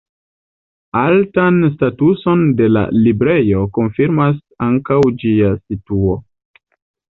Altan statuson de la librejo konfirmas ankaŭ ĝia situo.